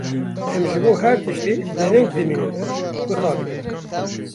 Em ji bo her tiştî dereng dimînin, mixabin.